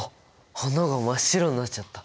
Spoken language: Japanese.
花が真っ白になっちゃった。